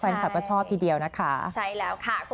แฟนคลับก็ชอบทีเดียวนะคะใช่แล้วค่ะ